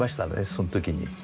その時に。